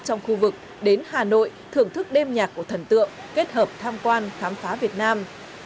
trong khu vực đến hà nội thưởng thức đêm nhạc của thần tượng kết hợp tham quan khám phá việt nam